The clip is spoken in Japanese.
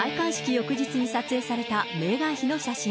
翌日に撮影されたメーガン妃の写真。